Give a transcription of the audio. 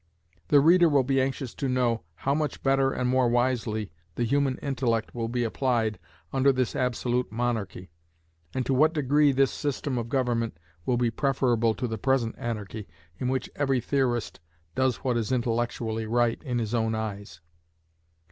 The reader will be anxious to know, how much better and more wisely the human intellect will be applied under this absolute monarchy, and to what degree this system of government will be preferable to the present anarchy, in which every theorist does what is intellectually right in his own eyes.